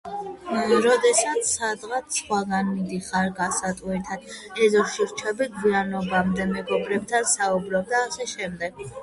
როდესაც სადღაც სხვაგან მიდიხარ განსატვირთად, ეზოში რჩები გვიანობამდე, მეგობრებთან საუბრობ და ა.შ.